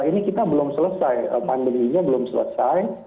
ini kita belum selesai pandeminya belum selesai